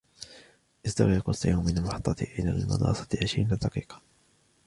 يستغرق السير من المحطة إلى المدرسة عشرين دقيقة.